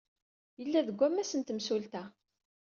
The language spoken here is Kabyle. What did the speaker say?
Yella deg wammas n temsulta.